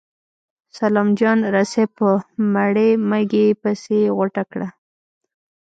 سلام جان رسۍ په مړې مږې پسې غوټه کړه.